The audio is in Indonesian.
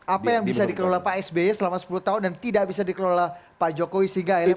apa yang bisa dikelola pak sby selama sepuluh tahun dan tidak bisa dikelola pak jokowi sehingga akhirnya